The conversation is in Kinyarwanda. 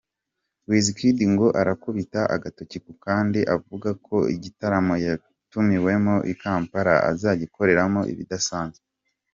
Wizkid ngo arakubita agatoki ku kandi avuga ko ‘igitaramo yatumiwemo i Kampala azagikoreramo ibidasanzwe’.